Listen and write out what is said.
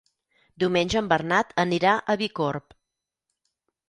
Diumenge en Bernat anirà a Bicorb.